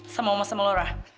sama omas sama laura